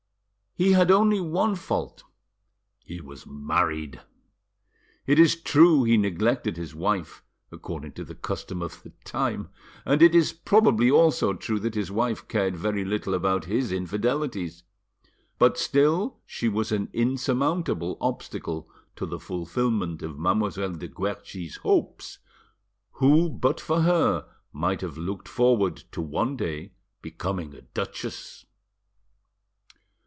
He had only one fault—he was married. It is true he neglected his wife, according to the custom of the time, and it is probably also true that his wife cared very little about his infidelities. But still she was an insurmountable obstacle to the fulfilment of Mademoiselle de Guerchi's hopes, who but for her might have looked forward to one day becoming a duchess.